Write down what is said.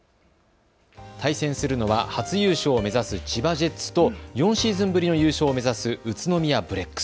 対戦するのは初優勝を目指す千葉ジェッツと４シーズンぶりの優勝を目指す宇都宮ブレックス。